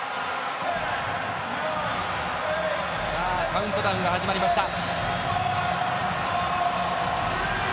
カウントダウンが始まりました。